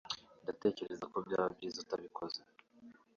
Ndatekereza ko byaba byiza utabikoze.